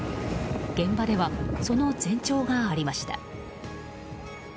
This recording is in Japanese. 現場では、その前兆がありました。